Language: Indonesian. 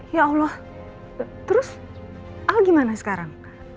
ya allah terus ah gimana sekarang